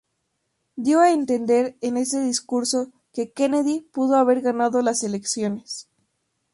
Dio a entender en ese discurso que Kennedy pudo haber ganado las elecciones.